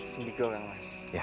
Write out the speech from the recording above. sendiko kang mas